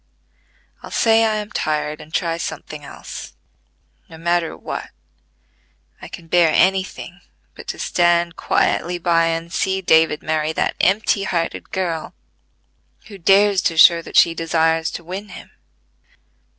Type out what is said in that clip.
I'll say I am tired and try something else, no matter what: I can bear any thing, but to stand quietly by and see David marry that empty hearted girl, who dares to show that she desires to win him.